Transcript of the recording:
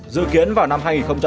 dự kiến vào năm hai nghìn ba mươi